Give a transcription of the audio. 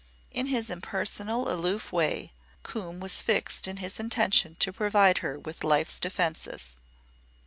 In his impersonal, aloof way Coombe was fixed in his intention to provide her with life's defences.